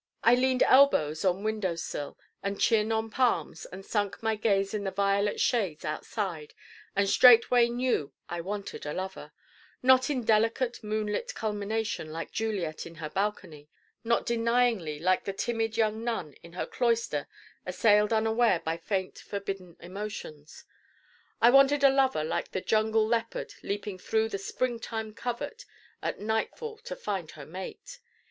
I leaned elbows on window sill and chin on palms and sunk my gaze in the violet shades outside and straightway knew I wanted a Lover: not in delicate moonlit culmination like Juliet in her balcony: not denyingly like the timid young nun in her cloister assailed unaware by faint forbidden emotions. I wanted a Lover like the jungle leopard leaping through the Springtime covert at nightfall to find her mate.